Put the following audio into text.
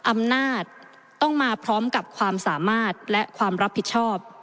อำนาจต้องมาพร้อมกับความสามารถและความรับผิดชอบ